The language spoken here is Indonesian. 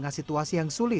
lakukan hal yang baik